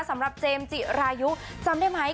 สำหรับเจมส์จิรายุจำได้ไหม